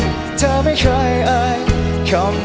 ที่ดูคล้ายคล้ายว่าเธอนั้นรัก